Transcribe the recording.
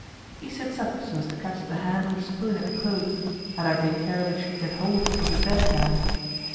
He sits up so as to catch the hand which is pulling at the clothes, and I take care that he should get hold of the dead hand.